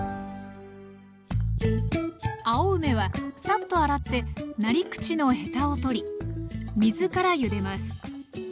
青梅はさっと洗ってなり口のヘタを取り水からゆでます。